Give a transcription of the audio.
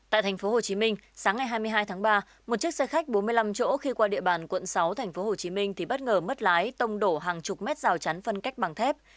tại tp hcm sáng ngày hai mươi hai tháng ba một chiếc xe khách bốn mươi năm chỗ khi qua địa bàn quận sáu tp hcm thì bất ngờ mất lái tông đổ hàng chục mét rào chắn phân cách bằng thép